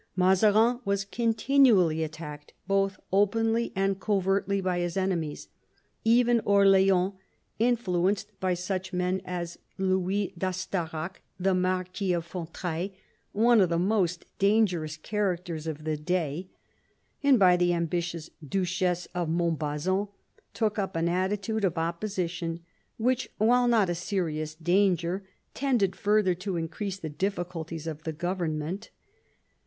Mazarin was continually attacked both openly and covertly by his enemies. Even Orleans, influenced by such men as Louis d'Astarac, the Marquis of Fontrailles, one of the most dangerous characters of the day, and by the ambitious Duchess of Montbazon, took up an attitude of opposition, which, while not a serious danger, tended further to increase the difficulties of the government.